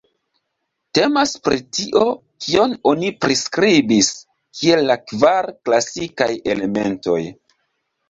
Temas pri tio, kion oni priskribis kiel la kvar klasikaj elementoj.